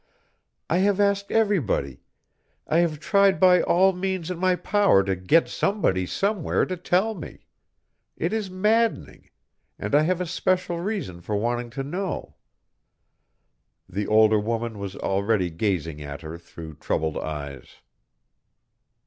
I have asked everybody: I have tried by all means in my power to get somebody somewhere to tell me. It is maddening and I have a special reason for wanting to know." The older woman was already gazing at her through troubled eyes.